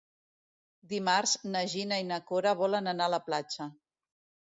Dimarts na Gina i na Cora volen anar a la platja.